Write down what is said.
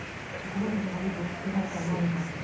ここまで長引く大きくなるとは思わなかったと。